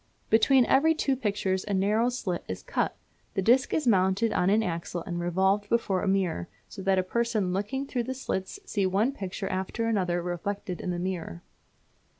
Between every two pictures a narrow slit is cut. The disc is mounted on an axle and revolved before a mirror, so that a person looking through the slits see one picture after another reflected in the mirror.